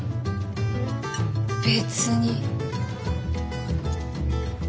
別に。